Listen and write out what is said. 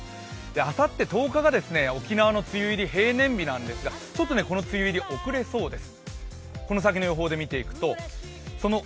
あさって１０日が沖縄の梅雨入り平年日なんですがちょっとこの梅雨入り遅れそうです。